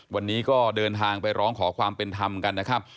วันนี้ก็เดินทางไปร้องขอความเป็นธรรมกันนะครับ